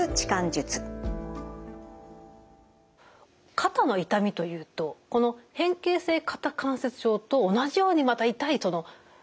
肩の痛みというとこの変形性肩関節症と同じようにまた痛いとの凍結肩。